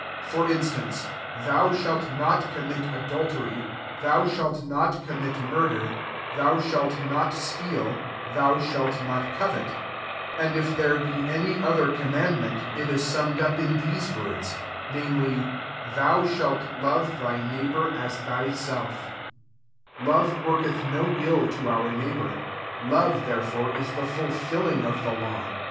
9 For instance, «( Thou shah not commit adul tery. Thou shah not conmiit murder, Thou shalt xuA steal, Thou ehalt not covet;" and if there be any ether command ment, itifl summed up in these words» namely, "Thou shalt love thy neighbomr jm thyselfc" 10 Loire iworinithsBo oliM mr d68 ROMANS XrV, neig^hbour: love therefore m tbe iulfiiiingofthe law.